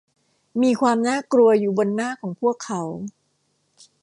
มีความน่ากลัวอยู่บนหน้าของพวกเขา